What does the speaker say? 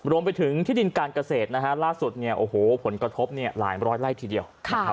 รวมไปถึงที่ดินการเกษตรนะฮะล่าสุดเนี่ยโอ้โหผลกระทบหลายร้อยไล่ทีเดียวนะครับ